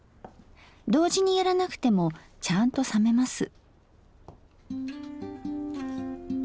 同時にやらなくてもちゃんと冷めます。